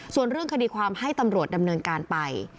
ส่วนเรื่องคดีความให้ตำรวจดำเนินการไป